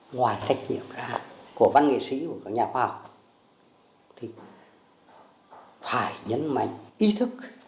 ngoài trách nhiệm ra của văn nghệ sĩ và nhà khoa học thì phải nhấn mạnh ý thức